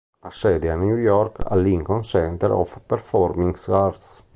Ha sede a New York, al Lincoln Center of Performing Arts.